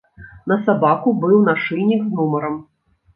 На сабаку быў нашыйнік з нумарам.